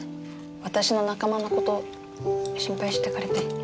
私の仲間のこと心配してくれて。